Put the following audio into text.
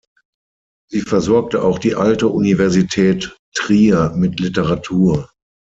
Sie versorgte auch die alte Universität Trier mit Literatur.